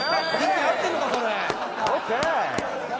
ＯＫ